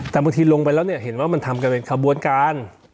แต่บางทีลงไปแล้วเนี่ยเห็นว่ามันทำกันเป็นขบวนการ